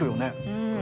うん。